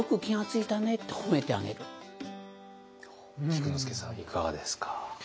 菊之助さんいかがですか？